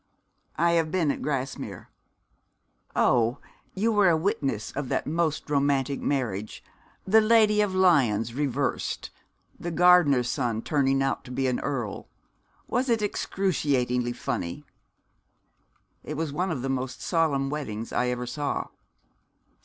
'I have been at Grasmere.' 'Oh, you were a witness of that most romantic marriage. The Lady of Lyons reversed, the gardener's son turning out to be an earl. Was it excruciatingly funny?' 'It was one of the most solemn weddings I ever saw.'